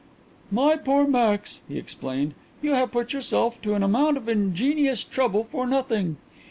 "My poor Max," he explained, "you have put yourself to an amount of ingenious trouble for nothing.